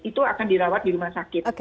itu akan dirawat di rumah sakit